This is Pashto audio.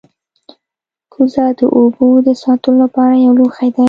کوزه د اوبو د ساتلو لپاره یو لوښی دی